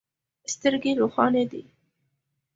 سترګې روښانې دي.